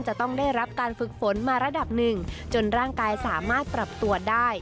จะต้องได้รับการฝึกฝนมาระดับหนึ่งจนร่างกายสามารถปรับตัวได้